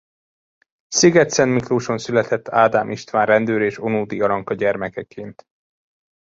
Szigetszentmiklóson született Ádám István rendőr és Ónodi Aranka gyermekeként.